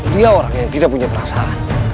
dia orang yang tidak punya perasaan